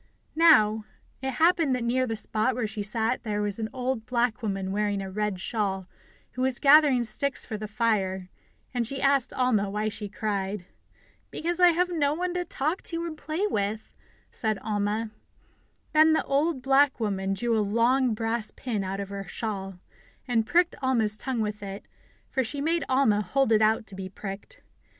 Now, it happened that near the spot where she sat there was an old black woman wearing a red shawl, who was gathering sticks for the fire, and she asked Alma why she cried. "Because I have no one to talk to and play with," said Alma. Then the old black woman drew a long brass pin out of her shawl, and pricked Alma's tongue with it, for she made Alma hold it out to be pricked.